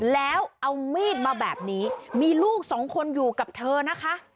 แล้วเอามีดมาแบบนี้มีลูกสองคนอยู่กับเธอนะคะ